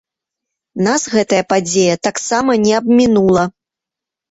Нас гэтая падзея таксама не абмінула.